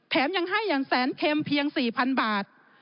ยังให้อย่างแสนเค็มเพียง๔๐๐๐บาท